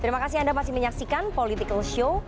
terima kasih anda masih menyaksikan political show